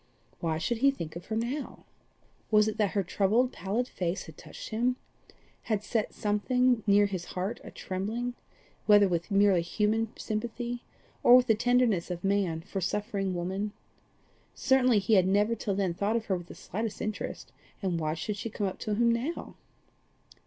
Why should he think of her now? Was it that her troubled pallid face had touched him had set something near his heart a trembling, whether with merely human sympathy or with the tenderness of man for suffering woman? Certainly he had never till then thought of her with the slightest interest, and why should she come up to him now?